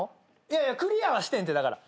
いやいやクリアはしてんてだから。